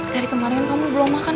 dari kemarin kamu belum makan